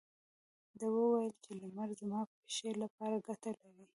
ده وويل چې لمر زما د پښې لپاره ګټه لري.